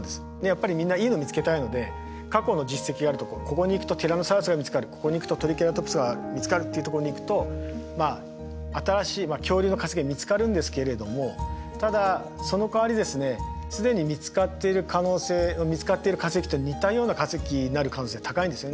やっぱりみんないいのを見つけたいので過去の実績があるとこここに行くとティラノサウルスが見つかるここに行くとトリケラトプスが見つかるっていうところに行くとまあ新しい恐竜の化石が見つかるんですけれどもただそのかわりですね既に見つかっている可能性見つかっている化石と似たような化石になる可能性が高いんですよね。